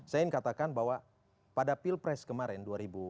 saya ingin katakan bahwa pada pilpres kemarin dua ribu sembilan belas